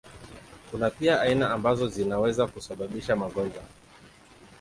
Kuna pia aina ambazo zinaweza kusababisha magonjwa.